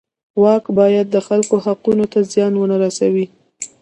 واک باید د خلکو حقونو ته زیان ونه رسوي.